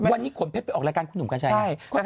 วันนี้ขนเพชรไปออกรายการคุณหนุ่มกัญชัยไง